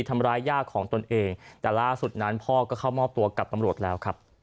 ย่าของตนเองแต่ล่าสุดนั้นพ่อก็เข้ามอบตัวกับตำรวจแล้วครับ